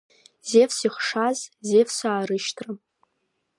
Зевс ихшаз, зевсаа рышьҭра.